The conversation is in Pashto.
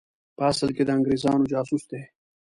په اصل کې د انګرېزانو جاسوس دی.